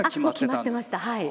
もう決まってました。